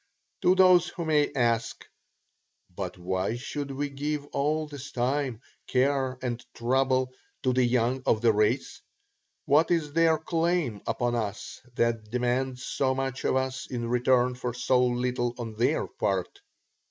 To those who may ask: "But why should we give all this time, care and trouble to the young of the race what is their claim upon us that demands so much of us in return for so little on their part?"